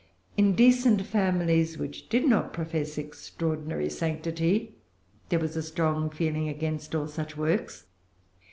In decent families, which did not profess extraordinary sanctity, there was a strong feeling against all such works.